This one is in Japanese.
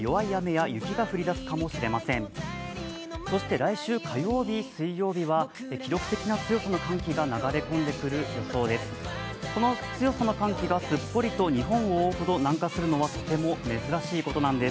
来週火曜日、水曜日は記録的な強さの寒気が流れ込んでくる予想です。